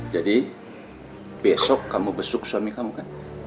jadi besok kamu besuk suami kamu kan